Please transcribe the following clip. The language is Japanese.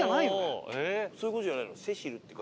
そういう事じゃないの？